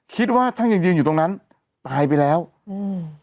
คิดว่าท่านยังยืนอยู่ตรงนั้นตายไปแล้วอืม